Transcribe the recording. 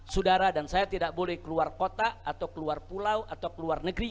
saudara dan saya tidak boleh keluar kota atau keluar pulau atau keluar negeri